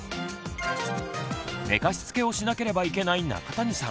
寝かしつけをしなければいけない中谷さん